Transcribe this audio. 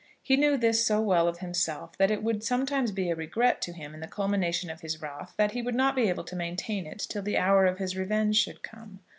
He knew this so well of himself, that it would sometimes be a regret to him in the culmination of his wrath that he would not be able to maintain it till the hour of his revenge should come.